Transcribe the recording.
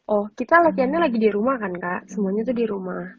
oh kita latihannya lagi di rumah kan kak semuanya tuh di rumah